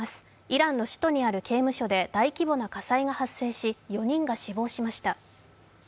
イランの首都にある刑務所で、大規模な火災が発生し、４人が死亡しました。